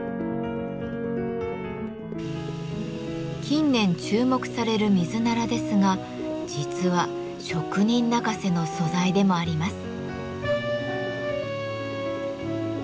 近年注目されるミズナラですが実は職人泣かせの素材でもあります。